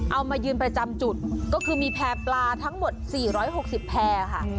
เอามายืนประจำจุดก็คือมีแพร่ปลาทั้งหมด๔๖๐แพร่ค่ะ